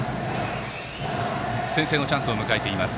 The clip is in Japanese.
先制のチャンスを迎えています